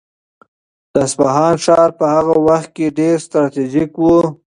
د اصفهان ښار په هغه وخت کې ډېر ستراتیژیک و.